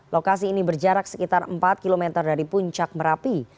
lokasi ini berjarak sekitar empat km dari puncak merapi